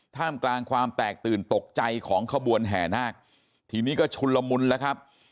ท่ามกลางความแตกตื่นตกใจของขบวนแห่นาคทีนี้ก็ชุนละมุนแล้วครับ